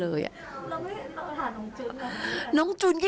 แล้วไม่เห็นตอนหาน้องจุนกัน